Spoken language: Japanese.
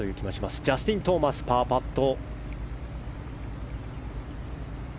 ジャスティン・トーマスパーパット。